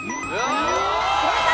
正解！